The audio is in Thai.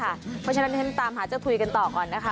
เพราะฉะนั้นฉันตามหาเจ้าคุยกันต่อก่อนนะคะ